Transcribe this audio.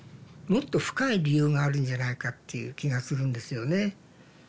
もっと深い理由があるんじゃないかっていう気がするんですよね。